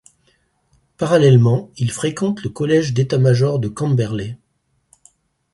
Parallèlement, il fréquente le Collège d'Etat-major de Camberley.